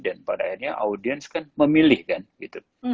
dan pada akhirnya audience kan memilih kan gitu